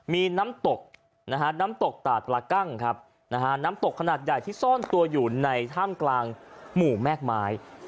มีน้ำตกนะฮะน้ำตกตาดปลากั้งครับนะฮะน้ำตกขนาดใหญ่ที่ซ่อนตัวอยู่ในถ้ำกลางหมู่แม่กไม้